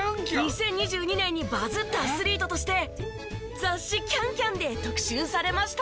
２０２２年にバズったアスリートとして雑誌『ＣａｎＣａｍ』で特集されました。